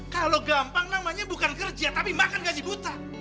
kalau gampang namanya bukan kerja tapi makan gaji buta